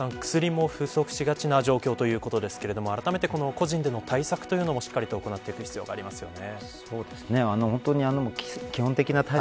武井さん、薬も不足しがちな状況ということですがあらためて個人での対策というのもしっかりと行っていく必要がありますよね。